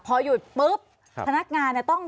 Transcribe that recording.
พอหยุดปุ๊บพนักงานต้อง